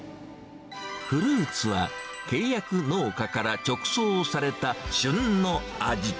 フルーツは、契約農家から直送された旬の味。